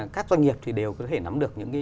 các doanh nghiệp thì đều có thể nắm được những cái